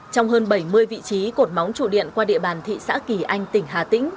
trong hơn bảy mươi vị trí cột móng trụ điện qua địa bàn thị xã kỳ anh tỉnh hà tĩnh